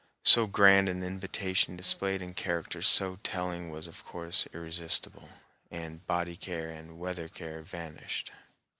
So grand an invitation displayed in characters so telling was of course irresistible, and body care and weather care vanished.